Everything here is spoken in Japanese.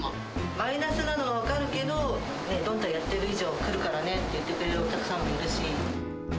マイナスなのは分かるけど、どんたやってる以上来るからねって言ってくれるお客さんもいるし。